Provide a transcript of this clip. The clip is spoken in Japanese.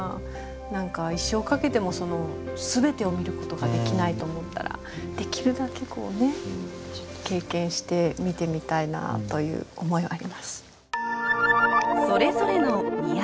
何か一生かけても全てを見ることができないと思ったらできるだけ経験して見てみたいなという思いはあります。